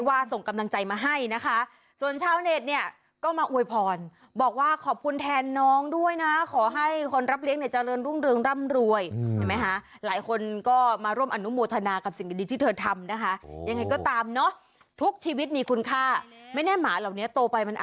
น่าสงสารจริงนะครับหกตัวคุณสรุปกี่ตัว